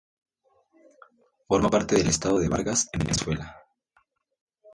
Forma parte del estado de Vargas, en Venezuela.